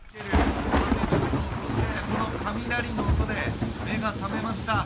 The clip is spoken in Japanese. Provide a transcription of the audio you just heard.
この雷の音で目が覚めました。